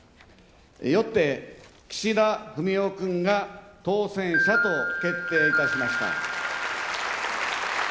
よって、岸田文雄君が当選したと決定いたしました。